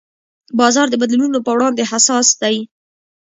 بازار د بدلونونو په وړاندې حساس دی.